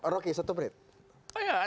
rogi satu perhatian